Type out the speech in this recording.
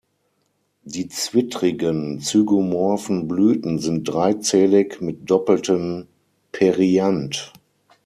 Die zwittrigen, zygomorphen Blüten sind dreizählig mit doppelten Perianth.